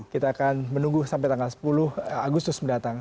kita akan menunggu sampai tanggal sepuluh agustus mendatang